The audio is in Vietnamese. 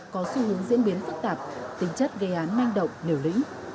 có xu hướng diễn biến phức tạp tính chất gây án manh động liều lĩnh